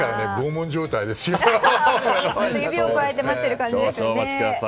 指をくわえて待ってる感じですよね。